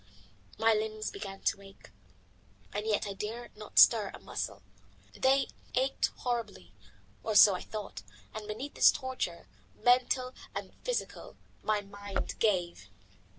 My limbs began to ache, and yet I dared not stir a muscle. They ached horribly, or so I thought, and beneath this torture, mental and physical, my mind gave.